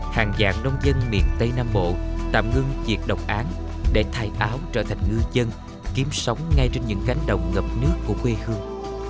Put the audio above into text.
hàng dạng nông dân miền tây nam bộ tạm ngưng diệt độc án để thay áo trở thành ngư dân kiếm sống ngay trên những cánh đồng ngập nước của quê hương